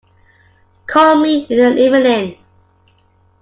Call me in the evening.